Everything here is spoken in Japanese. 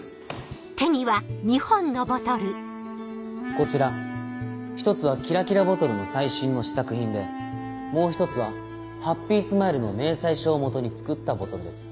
こちら一つはキラキラボトルの最新の試作品でもう一つはハッピースマイルの明細書を基に作ったボトルです。